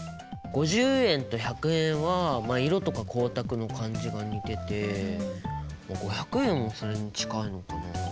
５０円と１００円はまあ色とか光沢の感じが似てて５００円もそれに近いのかなあ。